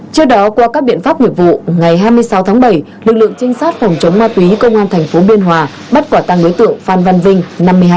trước đó qua các biện pháp nghiệp vụ ngày hai mươi sáu tháng bảy lực lượng trinh sát phòng chống ma túy công an tp biên hòa bắt quả tăng đối tượng phan văn vinh